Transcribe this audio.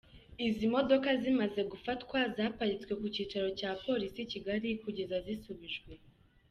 Izi modoka zimaze gufatwa zaparitswe ku Cyicaro cya Polisi i Kigali kugeza zisubijwe.